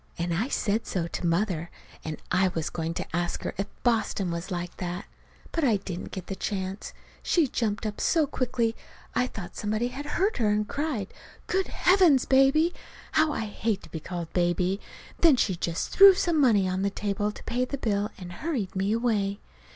And I said so to Mother; and I was going to ask her if Boston was like that. But I didn't get the chance. She jumped up so quick I thought something had hurt her, and cried, "Good Heavens, Baby!" (How I hate to be called "Baby"!) Then she just threw some money on to the table to pay the bill and hurried me away.